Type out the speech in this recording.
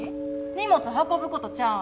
荷物運ぶことちゃうん？